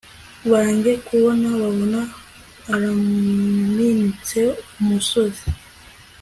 bajye kubona babona araminutse umusozi